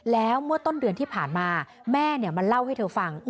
แล้วเมื่อต้นเดือนที่ผ่านมาแม่มาเล่าให้เธอฟัง